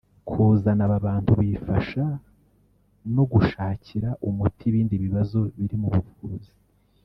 Kuzana aba bantu bifasha no gushakira umuti ibindi bibazo biri mu buvuzi